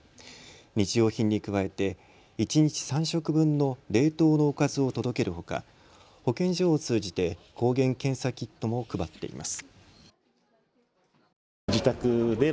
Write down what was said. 日用品に加えて一日３食分の冷凍のおかずを届けるほか保健所を通じて抗原検査キットも配っています。